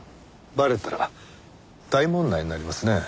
バレたら大問題になりますね。